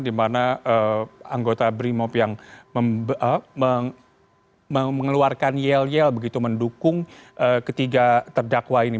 di mana anggota brimop yang mengeluarkan yel yel begitu mendukung ketiga terdakwa ini